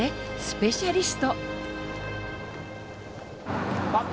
スペシャリスト！